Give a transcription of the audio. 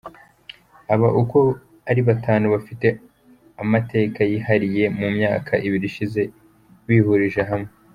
Aba uko ari batanu bafite bafite amateka yihariye mu myaka ibiri ishize bihurije hamwe.